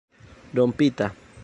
rompita